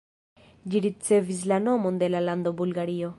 Ĝi ricevis la nomon de la lando Bulgario.